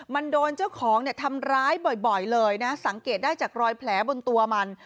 มันโดนเจ้าของเนี่ยทำร้ายบ่อยเลยนะสังเกตได้จากรอยแผลบนตัวมัน